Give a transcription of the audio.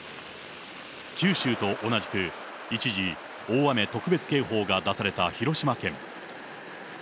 九州と同じく一時、大雨特別警報が出された広島県。